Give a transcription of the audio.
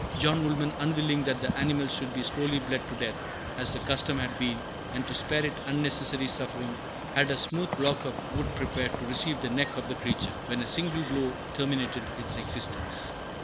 John Woolman, unwilling that the animal should be slowly bled to death, as the custom had been, and to spare it unnecessary suffering, had a smooth block of wood prepared to receive the neck of the creature, when a single blow terminated its existence.